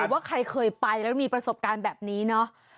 ว่าใครเคยไปแล้วมีประสบการณ์แบบนี้เนอะ